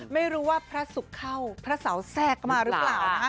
ไม่รู้ว่าพระสุขเข้าพระเสาแทรกมาหรือเปล่านะ